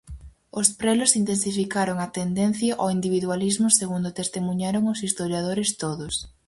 Os prelos intensificaron a tendencia ó individualismo segundo testemuñaron os historiadores todos.